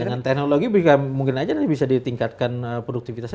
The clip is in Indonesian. dengan teknologi mungkin aja nanti bisa ditingkatkan produktivitasnya